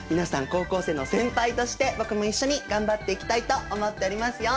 高校生の先輩として僕も一緒に頑張っていきたいと思っておりますよ。